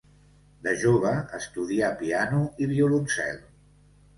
De jove estudià piano i violoncel.